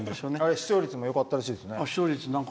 視聴率もよかったらしいですね。